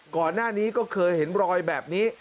ก่อนหน้านี้ก็เคยเห็นรอยแบบนี้